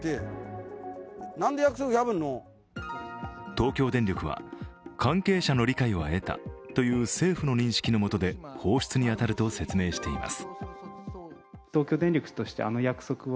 東京電力は、関係者の理解は得たという政府の認識のもとで放出に当たると説明しています。